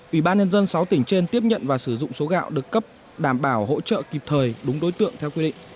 ủy ban nhân dân sáu tỉnh trên tiếp nhận và sử dụng số gạo được cấp đảm bảo hỗ trợ kịp thời đúng đối tượng theo quy định